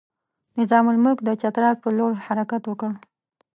نظام الملک د چترال پر لور حرکت وکړ.